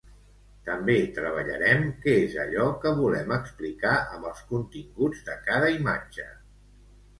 També treballarem què és allò que volem explicar amb els continguts de cada imatge.